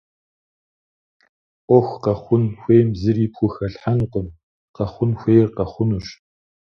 Ӏуэху къэхъун хуейм зыри пхухэлъхьэнукъым - къэхъун хуейр къэхъунущ.